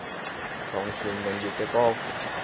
床前明月嘅光